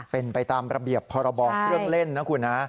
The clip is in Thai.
เป็นไปตามระเบียบพรบเครื่องเล่นนะคุณฮะ